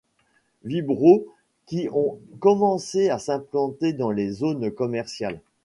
vibro qui ont commencé à s'implanter dans les zones commerciales.